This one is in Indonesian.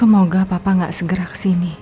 semoga papa gak segera kesini